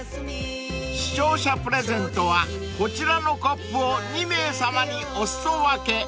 ［視聴者プレゼントはこちらのコップを２名さまにお裾分け］